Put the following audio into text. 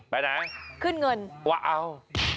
ไปไหนขึ้นเงินว้าว